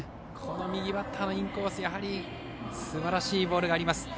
右バッターのインコースすばらしいボールがあります。